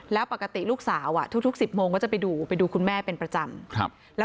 แล้วปกติลูกสาวทุก๑๐โมงก็จะไปดูไปดูคุณแม่เป็นประจำ